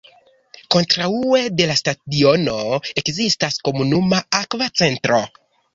Kontraŭe de la stadiono, ekzistas komunuma akva centro.